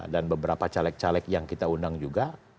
dan beberapa caleg caleg yang kita undang juga